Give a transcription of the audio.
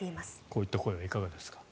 こういった声はいかがですか？